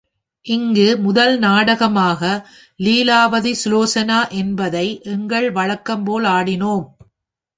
இங்கு முதல் நாடகமாக லீலாவதி சுலோசனா என்பதை எங்கள் வழக்கம்போல் ஆடினோம்.